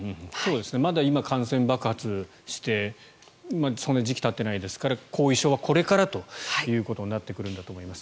まだ今、感染爆発してそんなに時期がたってないですから後遺症はこれからということになってくるんだと思います。